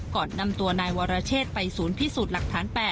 ก่อนนำตัวนายวรเชษไปศูนย์พิสูจน์หลักฐาน๘